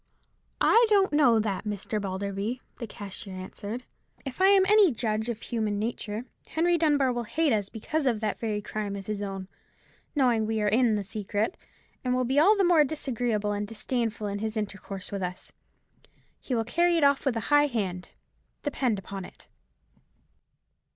"I don't know that, Mr. Balderby," the cashier answered; "if I am any judge of human nature, Henry Dunbar will hate us because of that very crime of his own, knowing that we are in the secret, and will be all the more disagreeable and disdainful in his intercourse with us. He will carry it off with a high hand, depend upon it."